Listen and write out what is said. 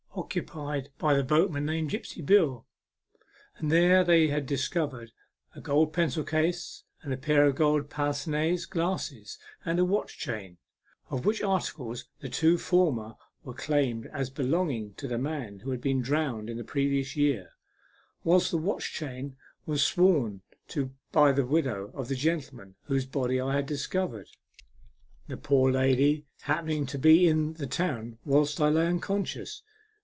97 occupied by the boatman named Gripsy Bill, and there they had discovered a gold pencil case and a pair of gold pince nez glasses and a watch chain, of which articles the two former were claimed as belonging to the man who had been drowned in the previous year, whilst the watch chain was sworn to by the widow of the gentle man whose body I had discovered, the poor lady happening to be in the town whilst I lay unconscious.